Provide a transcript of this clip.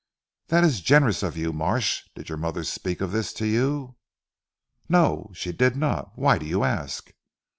"That is generous of you Marsh. Did your mother speak of this to you?" "No! she did not. Why do you ask?"